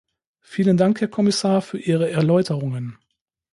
Vielen Dank, Herr Kommissar, für Ihre Erläuterungen!